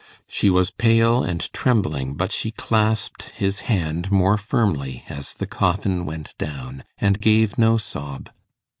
She was pale and trembling, but she clasped his hand more firmly as the coffin went down, and gave no sob.